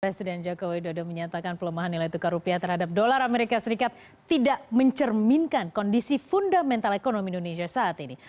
presiden joko widodo menyatakan pelemahan nilai tukar rupiah terhadap dolar as tidak mencerminkan kondisi fundamental ekonomi indonesia saat ini